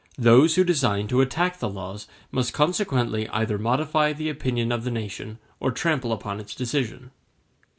Those who design to attack the laws must consequently either modify the opinion of the nation or trample upon its decision.